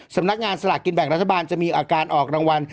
สำนักงานสลากกินแบ่งรัฐบาลจะมีอาการออกรางวัล